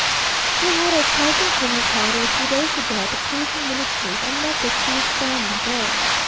We had a pleasant dinner party a few days ago at the Prussian Minister's, and met the C s family there.